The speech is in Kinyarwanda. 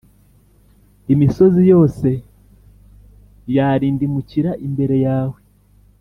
imisozi yose yarindimukira imbere yawe.